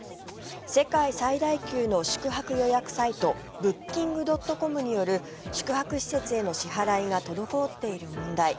世界最大級の宿泊施設予約サイトブッキングドットコムによる宿泊施設への支払いが滞っている問題。